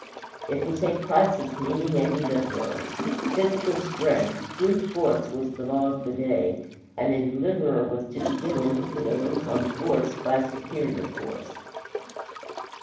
It was a crisis needing a deliverer. Physical strength, brute force, was the law of the day, and a deliverer was to be given who could overcome force by superior force.